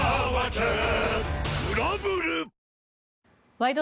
「ワイド！